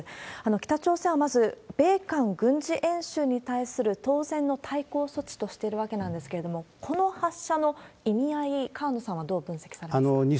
北朝鮮はまず、米韓軍事演習に対する当然の対抗措置としているわけなんですけれども、この発射の意味合い、河野さんはどう分析されますか？